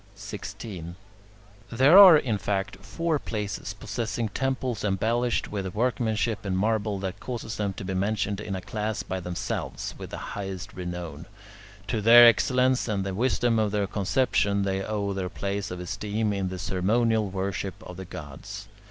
16. There are, in fact, four places possessing temples embellished with workmanship in marble that causes them to be mentioned in a class by themselves with the highest renown. To their great excellence and the wisdom of their conception they owe their place of esteem in the ceremonial worship of the gods.